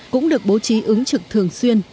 cũng được bố trí ứng trực thường xuyên